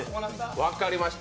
分かりました。